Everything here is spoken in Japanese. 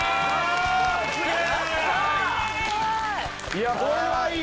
いやこれはいい。